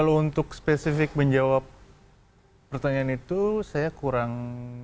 kalau untuk spesifik menjawab pertanyaan itu saya kurang